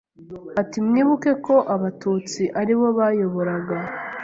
Ati mwibuke ko Abatutsi aribo bayoboraga